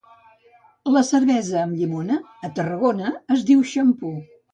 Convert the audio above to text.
La cervesa amb llimona a Tarragona es diu xampú